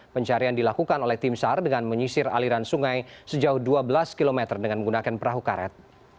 pencarian dilakukan oleh tim sar dengan menyisir aliran sungai sejauh dua belas km dengan menggunakan perahu karet